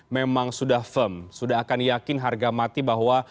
memang sudah firm sudah akan yakin harga mati bahwa